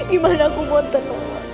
gimana aku buat tenang